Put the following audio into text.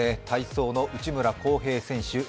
体操の内村航平選手